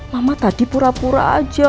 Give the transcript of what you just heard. mama tadi pura pura aja